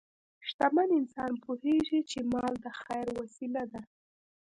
شتمن انسان پوهېږي چې مال د خیر وسیله ده.